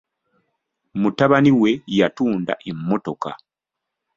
Mutabani we yatunda emmotoka.